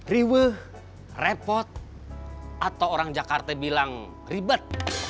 riweh repot atau orang jakarta bilang ribet